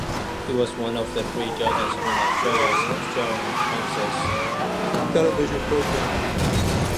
He was one of three judges on Australia's "Australian Princess" television programme.